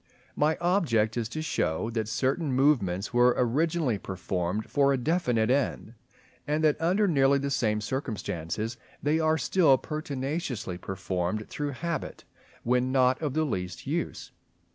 My object is to show that certain movements were originally performed for a definite end, and that, under nearly the same circumstances, they are still pertinaciously performed through habit when not of the least use.